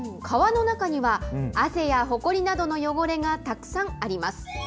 革の中には、汗やほこりなどの汚れがたくさんあります。